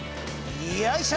よいしょ！